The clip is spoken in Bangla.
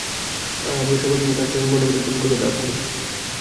আর আমরা সবাই জানি কাজটা সম্পন্ন করতে তুমি কতটা আগ্রহী।